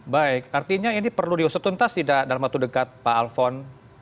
baik artinya ini perlu diusut tuntas tidak dalam waktu dekat pak alfon